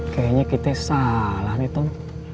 kayaknya kita salah nih tuh